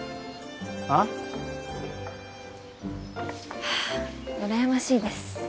あっ？ハァうらやましいです。